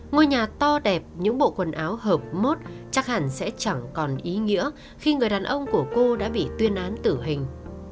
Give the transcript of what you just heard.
ngôi nhà to đẹp những bộ quần áo hợp mốt chắc hẳn sẽ chẳng còn ý nghĩa khi người đàn ông của cô đã bị tuyên án tử hình